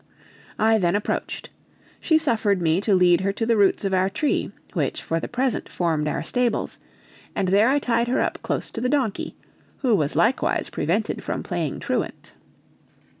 I then approached: she suffered me to lead her to the roots of our tree, which for the present formed our stables, and there I tied her up close to the donkey, who was likewise prevented from playing truant.